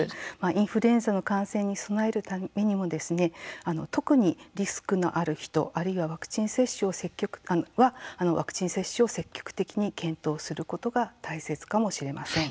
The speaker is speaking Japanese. インフルエンザの感染に備えるためにも特にリスクのある人はワクチン接種を積極的に検討することが大切かもしれません。